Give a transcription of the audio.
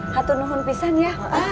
hatunuhun pisan ya pak